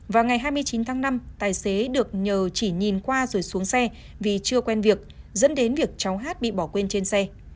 vào ngày hai mươi chín tháng năm tài xế được nhờ chỉ nhìn qua rồi xuống xe vì chưa quen việc dẫn đến việc cháu hát bị bỏ quên trên xe